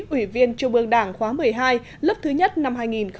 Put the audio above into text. ủy viên trung ương đảng khóa một mươi hai lớp thứ nhất năm hai nghìn một mươi tám